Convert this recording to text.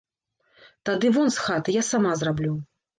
Тады вон з хаты, я сама зраблю.